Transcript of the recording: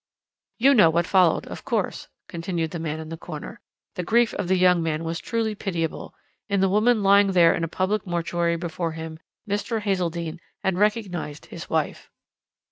"You know what followed, of course," continued the man in the corner, "the grief of the young man was truly pitiable. In the woman lying there in a public mortuary before him, Mr. Hazeldene had recognized his wife.